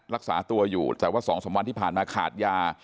รักษาตัวอยู่แต่ว่า๒๓วันที่ผ่านมาขาดยา